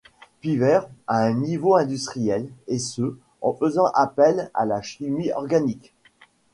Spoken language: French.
Piver, à un niveau industriel, et ce, en faisant appel à la chimie organique.